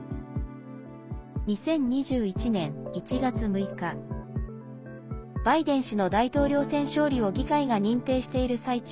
２０２１年１月６日バイデン氏の大統領選勝利を議会が認定している最中